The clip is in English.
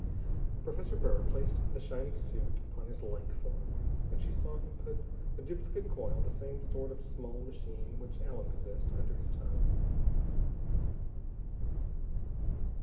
Professor Burr placed the shiny suit upon his lank form, and she saw him put a duplicate coil, the same sort of small machine which Allen possessed, under his tongue.